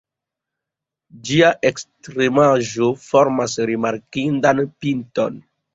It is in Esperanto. Ĝia ekstremaĵo formas rimarkindan pinton.